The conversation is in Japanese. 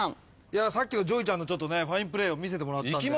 さっきのＪＯＹちゃんのファインプレーを見せてもらったんで。